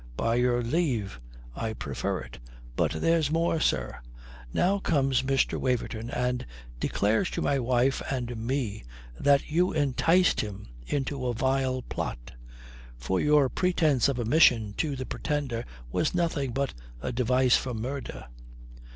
"By your leave, I prefer it. But there's more, sir. Now comes Mr. Waverton and declares to my wife and me that you enticed him into a vile plot: for your pretence of a mission to the Pretender was nothing but a device for murder."